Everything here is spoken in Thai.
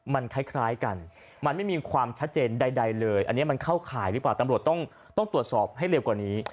มันเข้าขายหรือเปล่าตำลวตต้องตรวจสอบให้เร็วกว่านี้